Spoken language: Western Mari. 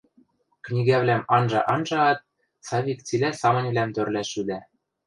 Книгӓвлӓм анжа-анжаат, Савик цилӓ самыньвлӓм тӧрлӓш шӱдӓ.